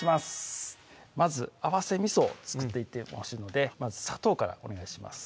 まず合わせみそを作っていってほしいのでまず砂糖からお願いします